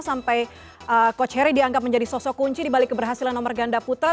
sampai coach harry dianggap menjadi sosok kunci dibalik keberhasilan omar gandaputra